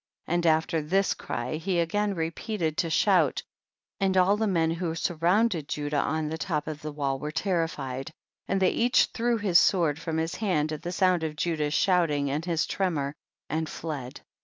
33. And after this cry he again repeated to shout, and all the men wdio surrounded Judah on the top of the wall were terrified, and they each threw his sword from his hand at the sound of Judah's shouting and his tremor, and fled.